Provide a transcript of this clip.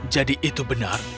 jadi itu benar